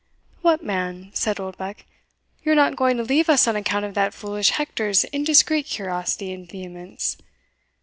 "What, man!" said Oldbuck, "you are not going to leave us on account of that foolish Hector's indiscreet curiosity and vehemence?